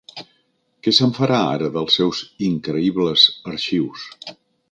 ¿Què se'n farà ara, dels seus increïbles arxius?